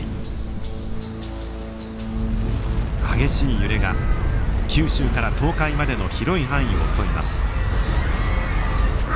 激しい揺れが九州から東海までの広い範囲を襲います。